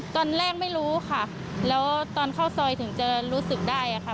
ตอนแรกไม่รู้ค่ะแล้วตอนเข้าซอยถึงจะรู้สึกได้อะค่ะ